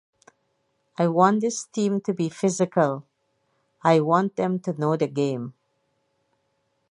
I want this team to be physical, I want them to know the game.